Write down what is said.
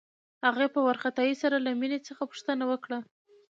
هغې په وارخطايۍ سره له مينې څخه پوښتنه وکړه.